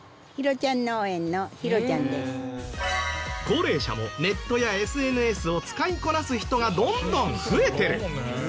高齢者もネットやＳＮＳを使いこなす人がどんどん増えてる。